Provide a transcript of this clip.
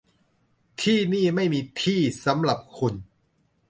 ที่นี่ไม่มีที่สำหรับคุณ